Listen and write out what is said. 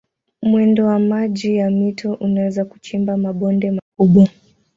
Mwendo wa maji ya mito unaweza kuchimba mabonde makubwa.